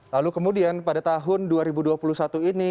lalu kemudian pada tahun dua ribu dua puluh satu ini